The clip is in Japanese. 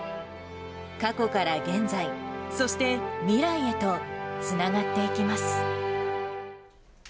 過去から現在、そして未来へとつながっていきます。